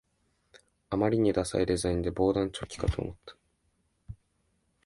あまりにダサいデザインで防弾チョッキかと思った